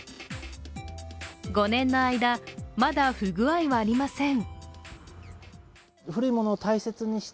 ５年の間、まだ不具合はありません。